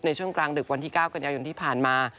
ในช่วงกลางดึกวันที่๙กันยายนที่ผ่านมา